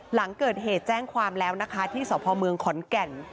หลังเกิดเหตุแจ้งความแล้วนะคะที่สพเมืองขอนแก่น